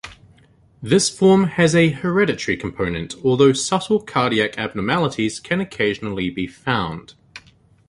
This form has a hereditary component, although subtle cardiac abnormalities can occasionally be found.